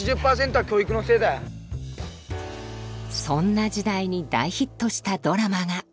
そんな時代に大ヒットしたドラマが。